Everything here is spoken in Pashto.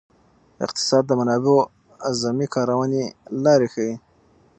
اقتصاد د منابعو اعظمي کارونې لارې ښيي.